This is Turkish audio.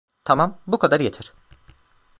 Tamam, bu kadar yeter.